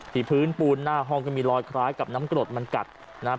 พื้นปูนหน้าห้องก็มีรอยคล้ายกับน้ำกรดมันกัดนะครับ